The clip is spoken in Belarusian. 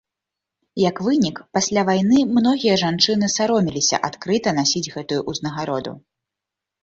Як вынік, пасля вайны многія жанчыны саромеліся адкрыта насіць гэтую ўзнагароду.